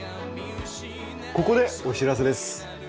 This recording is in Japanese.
ここでお知らせです。